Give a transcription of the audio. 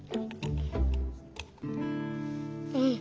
うん。